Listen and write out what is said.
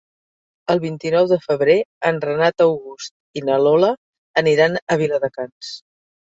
El vint-i-nou de febrer en Renat August i na Lola aniran a Viladecans.